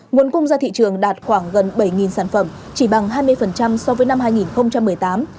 nguồn cung ra thị trường đạt khoảng gần bảy sản phẩm chỉ bằng hai mươi so với năm hai nghìn một mươi tám